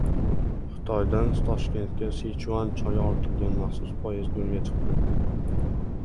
Xitoydan Toshkentga Sichuan choyi ortilgan maxsus poyezd yo‘lga chiqdi